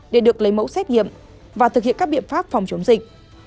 để được lấy mẫu xét nghiệm và thực hiện các biện pháp phòng chống dịch